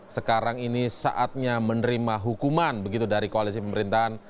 sekarang ini saatnya menerima hukuman begitu dari koalisi pemerintahan